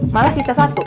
malah sisa satu